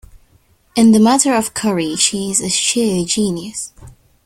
In the matter of curry she is a sheer genius.